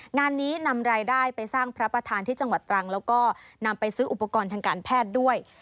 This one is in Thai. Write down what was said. งานนี้นำรายได้ไปสร้างพระประธานที่จังหวัดตรังแล้วก็นำไปซื้ออุปกรณ์ทางการแพทย์ด้วย